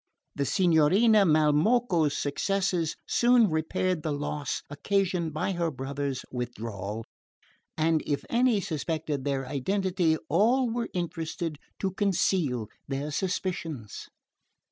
The Signorina Malmocco's successes soon repaired the loss occasioned by her brother's withdrawal, and if any suspected their identity all were interested to conceal their suspicions.